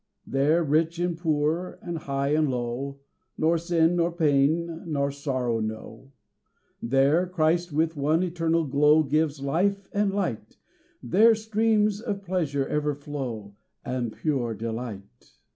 There rich and poor, and high and low, Nor sin, nor pain, nor sorrow know: There Christ with one eternal glow Gives life and light There streams of pleasure ever flow, And pure delight.